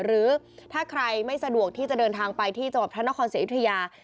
หรือถ้าใครไม่สะดวกที่จะเดินทางไปที่จำบับท่านท่านท่านคอนเศรษฐยา